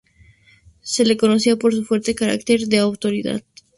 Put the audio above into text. Se le conocía por su fuerte carácter y autoridad.